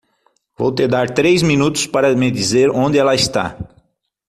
Vou te dar três minutos para me dizer onde ela está.